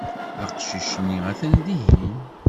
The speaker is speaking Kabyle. Aqcic-nni atan dihin.